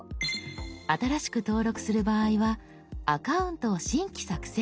新しく登録する場合は「アカウントを新規作成」です。